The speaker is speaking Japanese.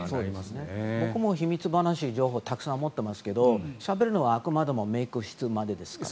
僕も秘密情報たくさん持っていますがしゃべるのはあくまでもメイク室までですから。